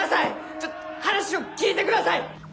ちょっと話を聞いてください！